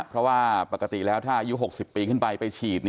เพราะว่าปกติแล้วถ้าอายุ๖๐ปีขึ้นไปไปฉีด